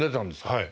はい。